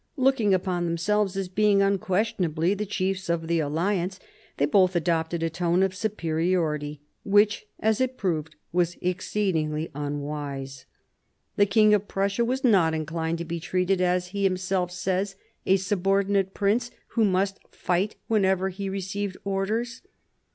Looking upon themselves as being unquestionably the chiefs of the alliance, they both adopted a tone of superiority, which, as it proved, was exceedingly unwisa The King of Prussia was not inclined to be treated, as he himself says, as "a subordinate prince, who must fight whenever he received orders."